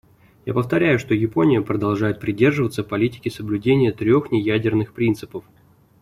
Я повторяю, что Япония продолжает придерживаться политики соблюдения трех неядерных принципов.